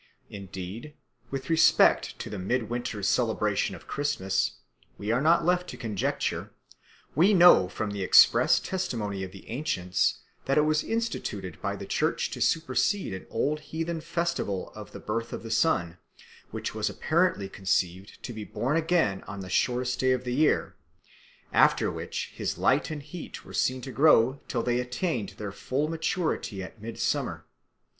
Indeed with respect to the midwinter celebration of Christmas we are not left to conjecture; we know from the express testimony of the ancients that it was instituted by the church to supersede an old heathen festival of the birth of the sun, which was apparently conceived to be born again on the shortest day of the year, after which his light and heat were seen to grow till they attained their full maturity at midsummer.